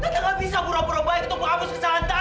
t dewi gak bisa pura pura baik untuk menghabis kesalahan t dewi